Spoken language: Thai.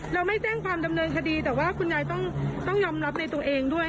เขาเห็นกันหมดเลยแล้วก็กล้องวงจรปิดด้วย